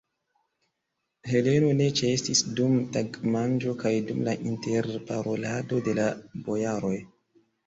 Heleno ne ĉeestis dum tagmanĝo kaj dum la interparolado de la bojaroj.